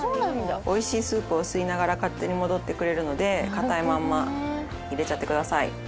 おいしいスープを吸いながら勝手に戻ってくれるので硬いまま入れちゃってください。